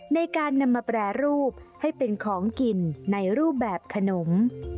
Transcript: ในการนำมาแปรรูปให้เป็นของกินในรูปแบบขนม